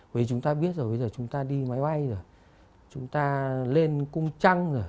vì chúng ta biết rồi bây giờ chúng ta đi máy bay rồi chúng ta lên cung trăng rồi